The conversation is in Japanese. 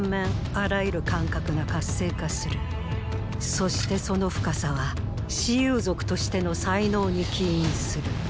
そしてその深さは蚩尤族としての才能に起因する。